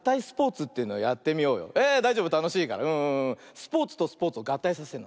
スポーツとスポーツをがったいさせるの。